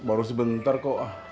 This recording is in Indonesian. baru sebentar kok